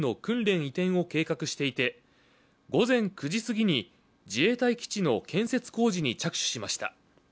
移転を計画していて午前９時過ぎに自衛隊基地の建設工事に着手しました。